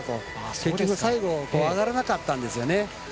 結局、最後上がらなかったんですよね。